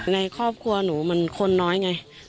ในครอบครัวหนูมันคนน้อยไง